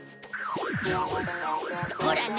ほらね？